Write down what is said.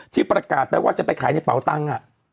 ที่ปราการแปลว่าจะไปขายในเป่าตังอ่ะ